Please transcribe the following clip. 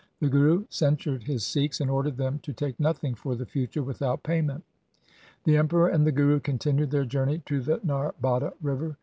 The Guru censured his Sikhs, and ordered them to take nothing for the future without payment. The Emperor and the Guru continued their journey to the Narbada river.